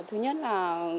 thứ nhất là